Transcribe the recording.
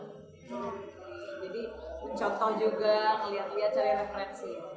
jadi contoh juga lihat lihat cara refleksi